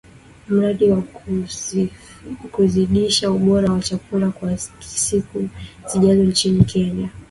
Mradi wa kuzidisha ubora wa chakula kwa siku zijazo nchini Kenya